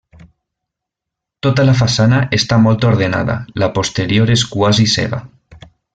Tota la façana està molt ordenada, la posterior és quasi cega.